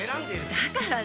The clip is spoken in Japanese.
だから何？